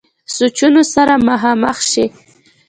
سوچونو سره مخامخ شي -